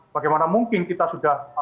bagaimana mungkin kita sudah